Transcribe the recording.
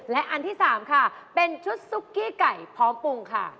และอันที่๓ค่ะเป็นชุดซุกกี้ไก่พร้อมปรุงค่ะ